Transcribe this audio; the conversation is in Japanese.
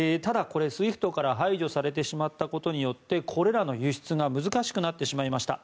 ただ、ＳＷＩＦＴから排除されてしまったことによってこれらの輸出が難しくなってしまいました。